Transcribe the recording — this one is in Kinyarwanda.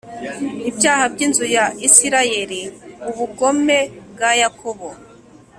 Ibyaha By Inzu Ya Isirayeli Ubugome Bwa Yakobo